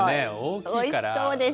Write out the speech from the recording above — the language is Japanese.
おいしそうでした。